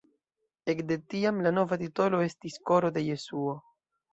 Ekde tiam la nova titolo estis Koro de Jesuo.